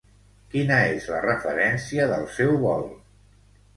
Quina és la referència del seu vol?